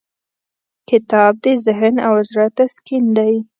کتاب د ذهن او زړه تسکین دی.